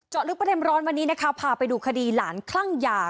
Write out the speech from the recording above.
ลึกประเด็นร้อนวันนี้นะคะพาไปดูคดีหลานคลั่งยา